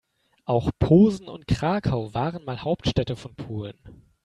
Auch Posen und Krakau waren mal Hauptstädte von Polen.